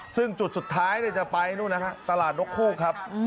ซึ่งจุดสุดท้ายนี่ก็จะไปตลาดลกฮูกครับ